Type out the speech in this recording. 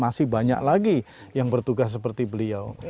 masih banyak lagi yang bertugas seperti beliau